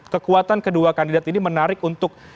kekuatan kedua kandidat ini menarik untuk